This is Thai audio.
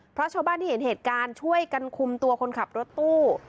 เพราะชาวบ้านที่เห็นเหตุการณ์ช่วยกันคุมตัวคนขับรถตู้